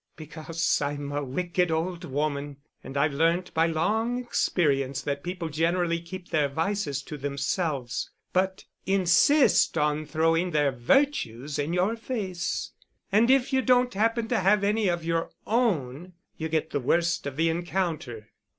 "Because I'm a wicked old woman; and I've learnt by long experience that people generally keep their vices to themselves, but insist on throwing their virtues in your face. And if you don't happen to have any of your own, you get the worst of the encounter."